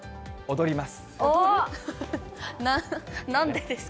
踊ります。